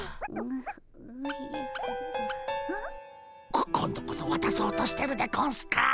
こ今度こそわたそうとしてるでゴンスか？